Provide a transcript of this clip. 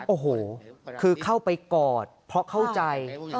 โอ้โหคือเข้าไปกอดเพราะเข้าใจ